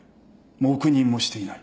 黙認もしていない。